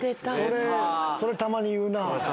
それ、たまに言うな。